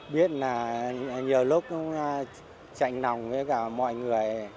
biết là nhiều lúc chạy nòng với cả mọi người